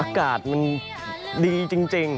อากาศมันดีจริง